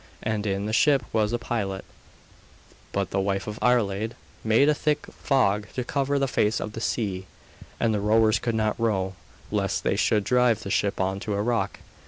And in the ship was a pilot. But the wife of Iarlaid made a thick fog to cover the face of the sea, and the rowers could not row, lest they should drive the ship on to a rock.